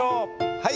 はい。